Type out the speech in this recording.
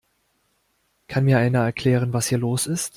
Kann mir einer erklären, was hier los ist?